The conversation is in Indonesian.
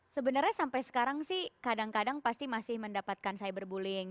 sebenarnya sampai sekarang sih kadang kadang pasti masih mendapatkan cyberbullying